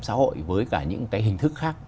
xã hội với cả những cái hình thức khác